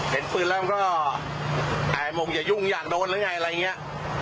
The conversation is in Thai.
เห็นปืนแล้วมันก็หายมงอย่ายุ่งอยากโดนหรือไงอะไรอย่างนี้